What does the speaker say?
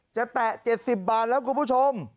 แตะ๗๐บาทแล้วคุณผู้ชม